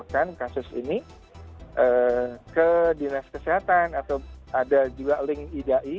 jadi kita akan melaporkan kasus ini ke dinas kesehatan atau ada juga link idai